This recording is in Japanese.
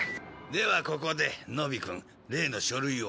ではここで野比くん例の書類を。